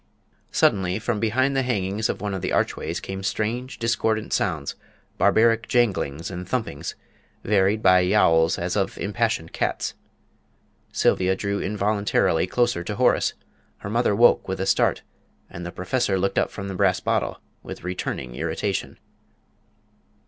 Suddenly from behind the hangings of one of the archways came strange, discordant sounds, barbaric janglings and thumpings, varied by yowls as of impassioned cats. Sylvia drew involuntarily closer to Horace; her mother woke with a start, and the Professor looked up from the brass bottle with returning irritation.